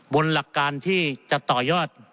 หลักการที่จะต่อยอด